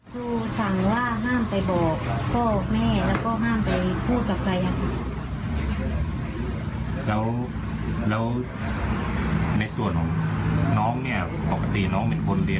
ครูสั่งว่าห้ามไปบอกพ่อแม่แล้วก็ห้ามไปพูดกับใคร